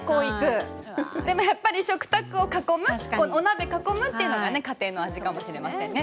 でもやっぱり食卓を囲むお鍋囲むっていうのが家庭の味かもしれませんね。